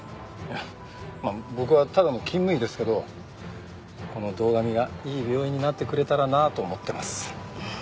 まあ僕はただの勤務医ですけどこの堂上がいい病院になってくれたらなと思ってます。